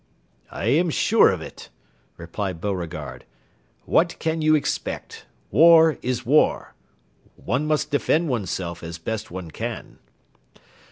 "I am sure of it," replied Beauregard. "What can you expect? War is war; one must defend oneself as best one can."